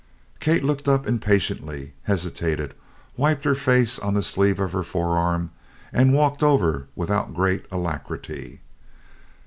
Kate looked up impatiently, hesitated, wiped her face on the sleeve of her forearm and walked over without great alacrity.